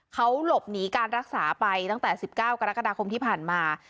เขาหลบหนีการรักษาไปตั้งแต่๑๙กรกฎาคมที่ผ่านมา